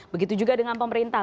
begitu juga dengan pemerintah